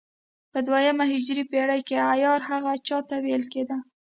په دوهمه هجري پېړۍ کې عیار هغه چا ته ویل کېده.